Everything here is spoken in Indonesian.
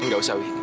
nggak usah wi